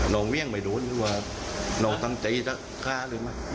นองเวี่ยงไปโดนหรือว่านองตั้งใจค้าหรือไม่